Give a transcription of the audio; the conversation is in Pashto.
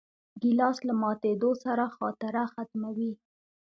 ګیلاس له ماتېدو سره خاطره ختموي.